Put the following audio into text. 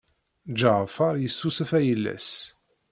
Ǧaɛfeṛ yessusef ayla-s.